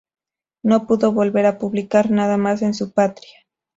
No pudo volver a publicar nada más en su patria.